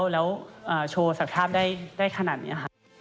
แล้วโชว์สักภาพได้ขนาดนี้ค่ะ